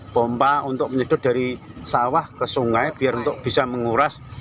pompa untuk menyedot dari sawah ke sungai biar untuk bisa menguras